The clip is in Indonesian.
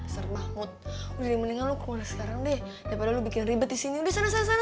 ser banget udah mendingan lo keluar sekarang deh daripada lo bikin ribet disini udah sana sana sana